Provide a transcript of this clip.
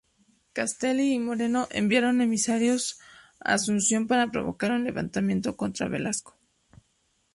Castelli y Moreno enviaron emisarios a Asunción para provocar un levantamiento contra Velasco.